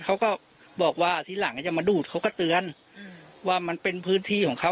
เขาก็บอกว่าทีหลังจะมาดูดเขาก็เตือนว่ามันเป็นพื้นที่ของเขา